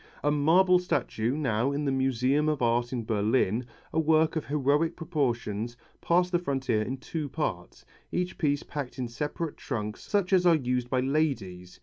A marble statue, now in the Museum of Art in Berlin, a work of heroic proportions, passed the frontier in two parts, each piece packed in separate trunks such as are used by ladies.